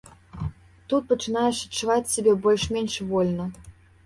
Тут пачынаеш адчуваць сябе больш-менш вольна.